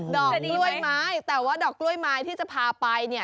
ดอกกล้วยไม้แต่ว่าดอกกล้วยไม้ที่จะพาไปเนี่ย